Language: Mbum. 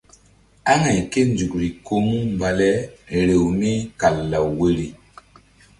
Amay ké nzukri ko mu mba le rew mí kal law woyri.